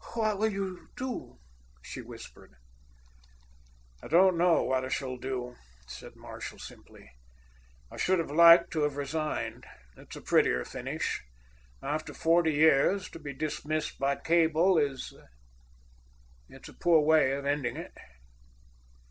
"What will you do?" she whispered. "I don't know what I shall do," said Marshall simply. "I should have liked to have resigned. It's a prettier finish. After forty years—to be dismissed by cable is—it's a poor way of ending it."